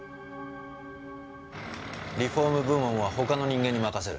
リフォーム部門は他の人間に任せる。